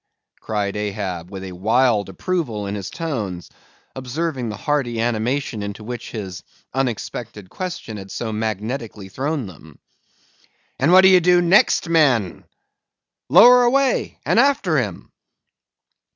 cried Ahab, with a wild approval in his tones; observing the hearty animation into which his unexpected question had so magnetically thrown them. "And what do ye next, men?" "Lower away, and after him!"